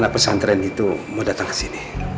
pesantren itu mau datang ke sini